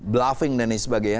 bluffing dan lain sebagainya